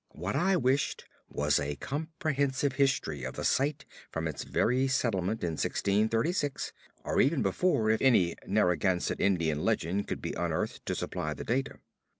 What I wished was a comprehensive history of the site from its very settlement in 1636 or even before, if any Narragansett Indian legend could be unearthed to supply the data.